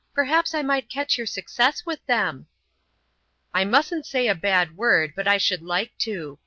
Perhaps I might catch your success with them." "I mustn't say a bad word, but I should like to.